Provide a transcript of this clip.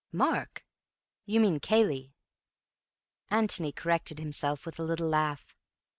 "Mark? You mean Cayley." Antony corrected himself with a little laugh.